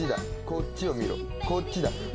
「こっちを見ろこっちだ」